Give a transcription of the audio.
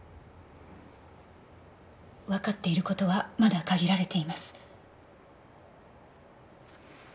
わかっている事はまだ限られています。